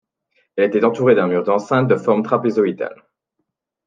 Elle était entourée d'un mur d'enceinte de forme trapézoïdal.